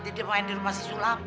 jadi dia main di rumah si sulam